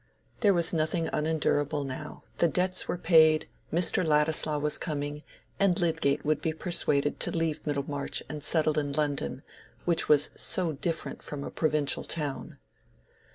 There was nothing unendurable now: the debts were paid, Mr. Ladislaw was coming, and Lydgate would be persuaded to leave Middlemarch and settle in London, which was "so different from a provincial town."